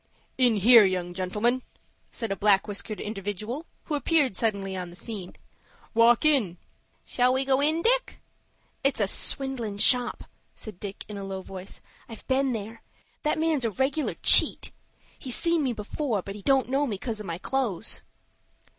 "In here, young gentlemen," said a black whiskered individual, who appeared suddenly on the scene. "Walk in." "Shall we go in, Dick?" "It's a swindlin' shop," said Dick, in a low voice. "I've been there. That man's a regular cheat. He's seen me before, but he don't know me coz of my clothes."